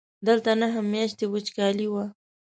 دلته نهه میاشتې وچکالي وه.